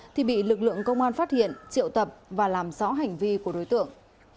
thì bị lực lượng công an phát hiện triệu tập và làm rõ hành vi của đối tượng